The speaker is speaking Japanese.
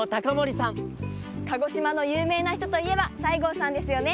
鹿児島のゆうめいなひとといえば西郷さんですよね。